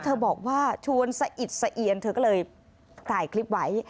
บอกว่าชวนสะอิดสะเอียนเธอก็เลยถ่ายคลิปไว้